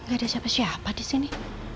aneh gak ada siapa siapa disini